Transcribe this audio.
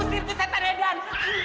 usir tuh setan dedan